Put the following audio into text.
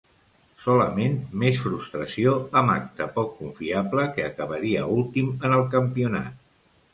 Solament més frustració, amb acte poc confiable que acabaria últim en el campionat.